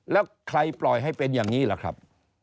แล้วใครปล่อยให้เป็นอย่างนี้ล่ะครับ